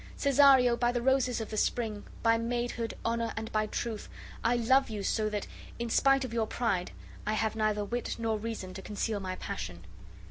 Cesario, by the roses of the spring, by maidhood, honor, and by truth, I love you so that, in spite of your pride, I have neither wit nor reason to conceal my passion."